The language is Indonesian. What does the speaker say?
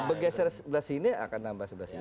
bergeser sebelah sini akan nambah sebelah sini